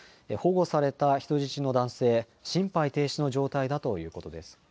保護された人質の男性、心肺停止の状態だということです。